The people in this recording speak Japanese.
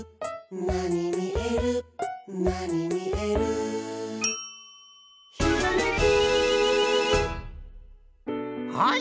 「なにみえるなにみえる」「ひらめき」はい！